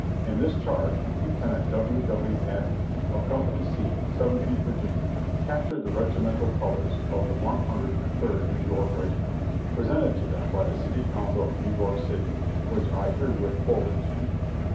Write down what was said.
In this charge Lieutenant W. W. Athey, of Co. C, 17th Virginia, cap tured the regimental colors of the One Hundred and Third New York Regiment, presented to them by the City Council of New York City, which I herewith forward to you.